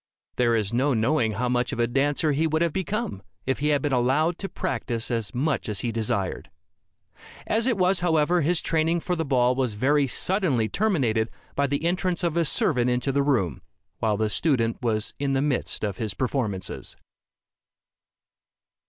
There is no knowing how much of a dancer he would have become, if he had been allowed to practice as much as he desired. As it was, however, his training for the ball was very suddenly terminated by the entrance of a servant into the room, while the student was in the midst of his performances.